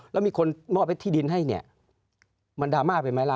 แล้วมีคนมอบให้ที่ดินให้เนี่ยมันดราม่าไปไหมล่ะ